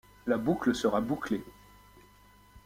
La boucle sera bouclée.